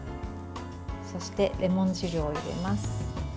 そして、レモン汁を入れます。